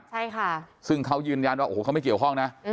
ใช่ค่ะซึ่งเขายืนยันว่าโอ้โหเขาไม่เกี่ยวข้องนะ